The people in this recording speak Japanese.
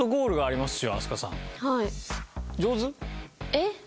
えっ？